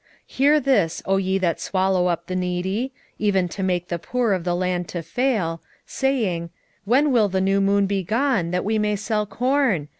8:4 Hear this, O ye that swallow up the needy, even to make the poor of the land to fail, 8:5 Saying, When will the new moon be gone, that we may sell corn?